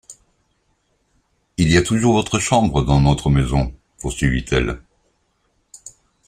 Il y a toujours votre chambre dans notre maison, poursuivit-elle.